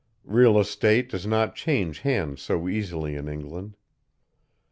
Real estate does not change hands so easily in England.